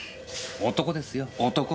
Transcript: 男ですよ男。